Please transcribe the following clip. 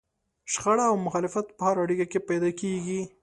شخړه او مخالفت په هره اړيکه کې پيدا کېږي.